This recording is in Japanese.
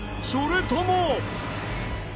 それとも！